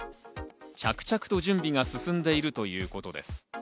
着々と準備が進んでいるということです。